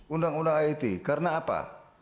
undang undang it karena apa